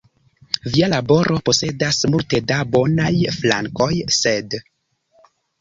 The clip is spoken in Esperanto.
Via laboro posedas multe da bonaj flankoj, sed.